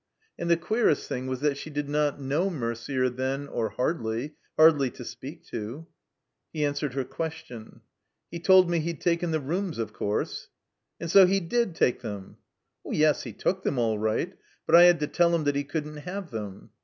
And the queerest thing was that she did not know Mercier then, or hardly; hardly to speak to. He answered her question. "He told me he'd taken the rooms, of course." THE COMBINED MAZE "And so he did take them!" "Yes, he took them all right. But I had to tell tiim that he couldn't have them."